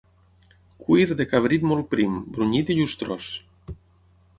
Cuir de cabrit molt prim, brunyit i llustrós.